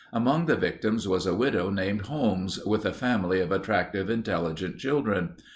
Among the victims was a widow named Holmes with a family of attractive, intelligent children.